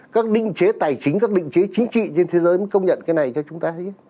các định chế tài chính các định chế chính trị trên thế giới công nhận cái này cho chúng ta hết